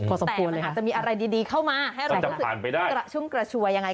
แต่มันอาจจะมีอะไรดีเข้ามาให้เรารู้สึกกระชุ่มกระชวยยังไง